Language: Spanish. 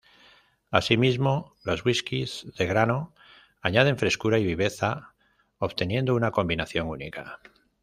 Asimismo, los whiskies de grano añaden frescura y viveza obteniendo una combinación única.